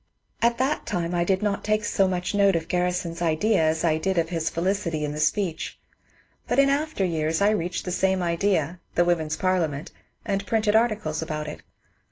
At that time I did not take so much note of Garrison's idea as I did of his felicity in the speech. But in after years I reached the same idea (the woman's parliament) and printed articles about it.